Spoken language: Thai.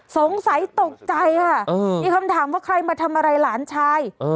สงสัยตกใจค่ะมีคำถามว่าใครมาทำอะไรหลานชาย